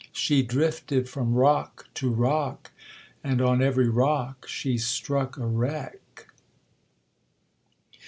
She drifted from rock to rock, and on every rock she struck a wreck.